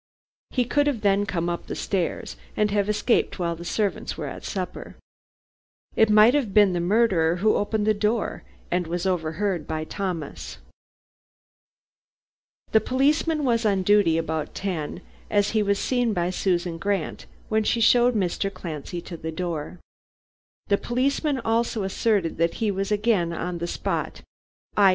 He could have then come up the stairs and have escaped while the servants were at supper. It might have been the murderer who opened the door, and was overheard by Thomas. "The policeman was on duty about ten, as he was seen by Susan Grant when she showed Mr. Clancy to the door. The policeman also asserted that he was again on the spot i.